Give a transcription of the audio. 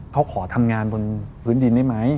เขาขอทำงานบนพื้นดินได้ไหม